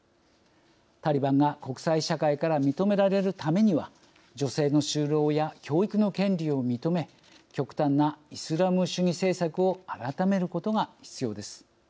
タリバンが国際社会から認められるためには女性の就労や教育の権利を認め極端なイスラム主義政策を改めることが必要です。